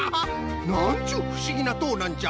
なんちゅうふしぎなとうなんじゃ。